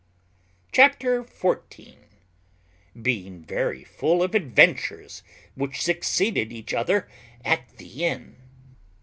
CHAPTER XIV. _Being very full of adventures which succeeded each other at the inn.